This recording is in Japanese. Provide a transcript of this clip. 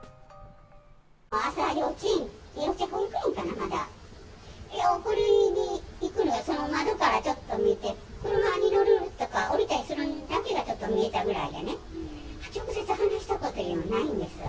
朝のうち、幼稚園かな、まだ、送りに行くのにその窓からちょっと見えて、車に乗るとか降りるかするぐらいが見えたぐらいでね、直接話したことはないんですよ。